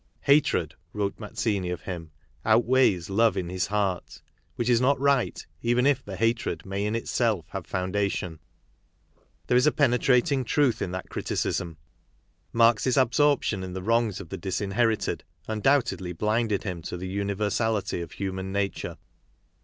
" Hatred," wrote Mazzini of him, " outweighs love in his heart, which is not" right even if the hatred may in itself have foundation." There is a penetrating truth in that criticism. Marx's absorption in the wrongs of the dis inherited undoubtedly blinded him to the universality of human nature.